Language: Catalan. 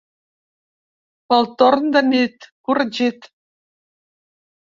Pel torn de nit: corregit.